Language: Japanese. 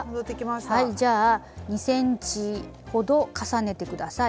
はいじゃあ２ｃｍほど重ねて下さい。